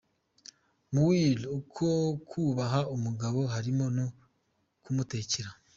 Muir uko kubaha umugabo harimo no kumutekera.